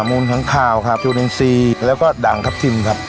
มูลแถมคลาวครับชูเล็งซีแล้วก็ดังครับทิมครับ